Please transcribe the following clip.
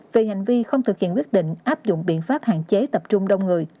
về hành vi không thực hiện quyết định áp dụng biện pháp hạn chế tập trung đông người